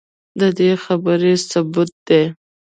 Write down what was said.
ددې خبرې ثبوت دے